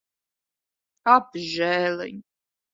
Apžēliņ.